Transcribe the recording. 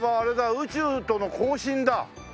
宇宙との交信だ。